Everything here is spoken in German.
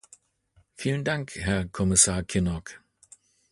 Vielen Dank, Herr Kommissar Kinnock!